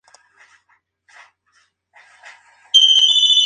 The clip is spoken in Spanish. Solo pudieron salvarse la Virgen de Servitas y el Cristo de los Afligidos.